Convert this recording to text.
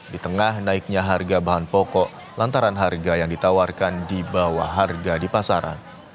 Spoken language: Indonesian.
di tengah naiknya harga bahan pokok lantaran harga yang ditawarkan di bawah harga di pasaran